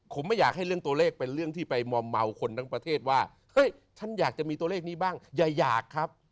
ผมไม่อยากให้เรื่องตัวเลขเป็นเรื่องที่ไปมอมเมาคนทั้งประเทศว่าเฮ้ยฉันอยากจะมีตัวเลขนี้บ้างอย่าอยากครับ